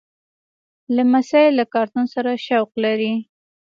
لمسی له کارتون سره شوق لري.